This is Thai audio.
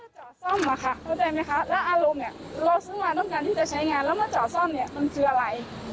คอมพิวเตอร์ค่ะ